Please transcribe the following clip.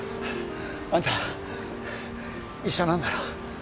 あんた医者なんだろ